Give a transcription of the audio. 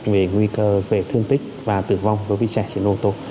về nguy cơ về thương tích và tử vong của vị trẻ trên ô tô